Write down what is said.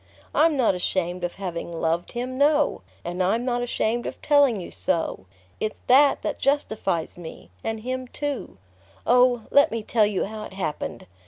I'm not ashamed of having loved him; no; and I'm not ashamed of telling you so. It's that that justifies me and him too...Oh, let me tell you how it happened!